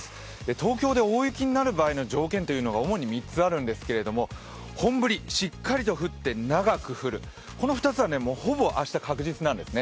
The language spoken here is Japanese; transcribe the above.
東京で大雪になる場合の条件というのが主に３つあるんですけれども本降り、しっかりと降って長く降る、この２つはほぼ明日、確実なんですね。